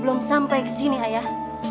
belum sampai ke sini ayah